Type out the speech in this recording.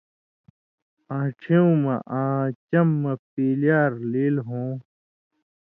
آن٘ڇھیُوں مہ آں چمہۡ مہ پیلیار لیل ہوں۔